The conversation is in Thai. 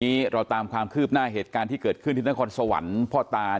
วันนี้เราตามความคืบหน้าเหตุการณ์ที่เกิดขึ้นที่นครสวรรค์พ่อตา